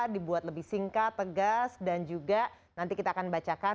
dibuat lebih singkat tegas dan juga nanti kita akan bacakan